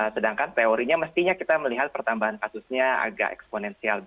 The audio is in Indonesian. sedangkan teorinya mestinya kita melihat pertambahan kasusnya agak eksponensial